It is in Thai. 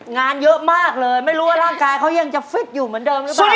งานเยอะมากเลยไม่รู้ว่าร่างกายเขายังจะฟิตอยู่เหมือนเดิมหรือเปล่า